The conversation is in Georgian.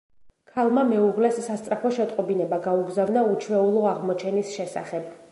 ქალმა მეუღლეს სასწრაფო შეტყობინება გაუგზავნა უჩვეულო აღმოჩენის შესახებ.